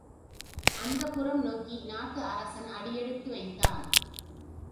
அந்தப்புரம் நோக்கி நாட்டு அரசன் அடியெடுத்து வைத்தான்.